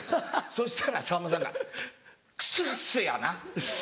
そしたらさんまさんが「クスクスやな。